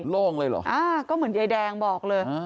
โล่งเลยเหรอครับอ้าวก็เหมือนไอ้แดงบอกเลย